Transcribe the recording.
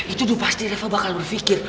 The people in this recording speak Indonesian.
itu udah pasti reva bakal berpikir